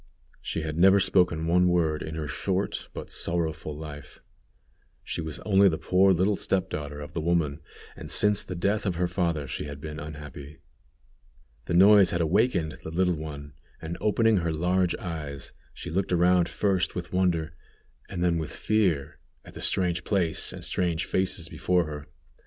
she had never spoken one word in her short but sorrowful life. She was only the poor little step daughter of the woman, and since the death of her father she had been unhappy. The noise had awakened the little one, and opening her large eyes, she looked around first with wonder, and then with fear, at the strange place and strange faces before her.